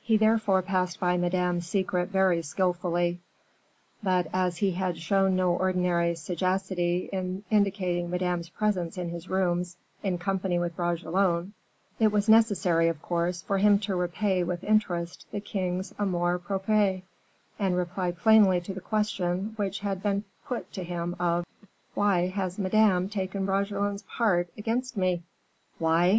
He therefore passed by Madame's secret very skillfully. But as he had shown no ordinary sagacity in indicating Madame's presence in his rooms in company with Bragelonne, it was necessary, of course, for him to repay with interest the king's amour propre, and reply plainly to the question which had been put to him of: "Why has Madame taken Bragelonne's part against me?" "Why?"